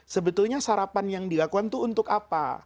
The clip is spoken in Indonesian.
sebetulnya sarapan yang dilakukan itu untuk apa